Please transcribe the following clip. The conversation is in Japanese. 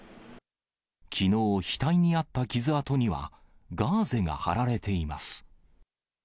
きのう、額にあった傷痕には、ガーゼが貼られています。